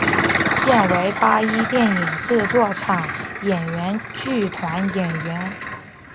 现为八一电影制片厂演员剧团演员。